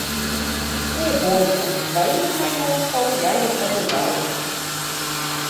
Не бойся, тваіх маёнткаў я не прагуляю.